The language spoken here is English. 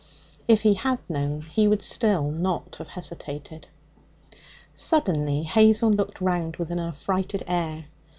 If he had known, he would still not have hesitated. Suddenly Hazel looked round with an affrighted air.